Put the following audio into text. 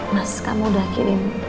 mas kamu udah kirim